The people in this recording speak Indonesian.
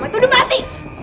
mama itu udah mati